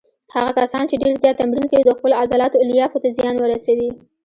هغه کسان چې ډېر زیات تمرین کوي د خپلو عضلاتو الیافو ته زیان ورسوي.